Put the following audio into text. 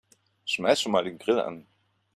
Schmeiß schon mal den Grill an.